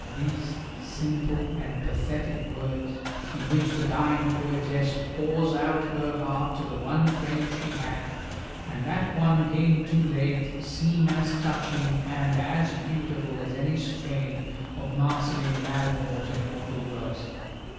These simple and pathetic words, in which the dying poetess pours out her heart to the one friend she had, and that one gained too late, seem as touching and as beautiful as any strain of Marceline Valmore's immortal verse.